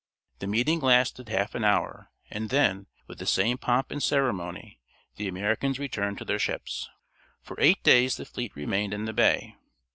The meeting lasted half an hour, and then, with the same pomp and ceremony, the Americans returned to their ships. For eight days the fleet remained in the bay.